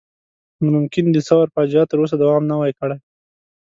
نو ممکن د ثور فاجعه تر اوسه دوام نه وای کړی.